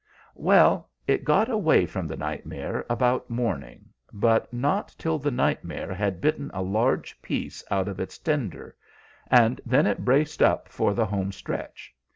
"Well, it got away from the nightmare about morning, but not till the nightmare had bitten a large piece out of its tender, and then it braced up for the home stretch.